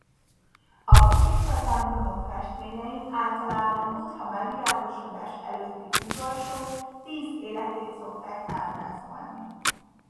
A buddhista templomok festményein általában Buddha megvilágosodás előtti utolsó tíz életét szokták ábrázolni.